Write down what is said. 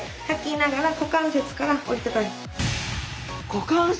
股関節！